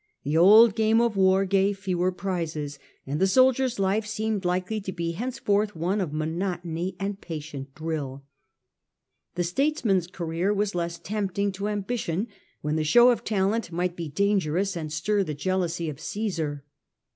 The old game of war gave fewer prizes, and lessened the the soldier^s life seemed likely to be hence of war and^ forth one of monotony and patient drill, politics The statesman's career was less tempting to ambition when the show of talent might be dangerous and stir the jealousy of Caesar.